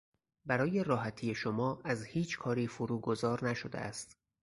برای راحتی شما از هیچ کاری فرو گذار نشده است.